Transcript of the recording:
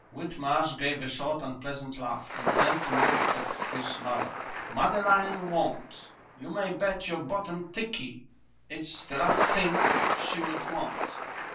Whitmarsh gave a short, unpleasant laugh and turned to look at his mother. "Madeline won't. You may bet your bottom tikkie it's the last thing she would want."